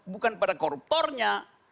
bukan pada koruptornya